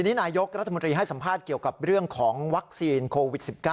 วัคซีนโควิด๑๙